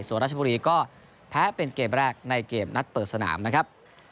ส่วนราชบุรีก็แพ้เป็นเกมแรกในเกมนัดเปิดสนามนะครับ